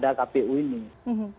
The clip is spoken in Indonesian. tapi dari anggaran dari kpu